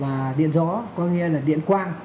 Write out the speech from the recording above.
và điện gió có nghĩa là điện quang